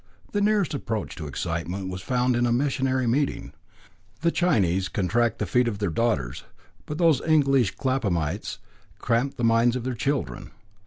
The nearest approach to excitement was found in a missionary meeting. The Chinese contract the feet of their daughters, but those English Claphamites cramped the minds of their children.